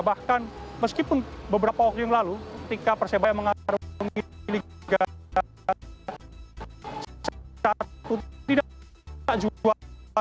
bahkan meskipun beberapa waktu yang lalu ketika persebaya mengatakan di liga satu tidak juga